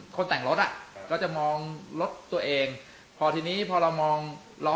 คนแต่งรถอ่ะก็จะมองรถตัวเองพอทีนี้พอเรามองล้อ